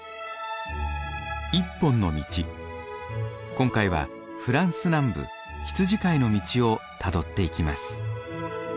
今回はフランス南部羊飼いの道をたどっていきます。